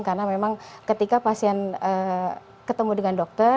karena memang ketika pasien ketemu dengan dokter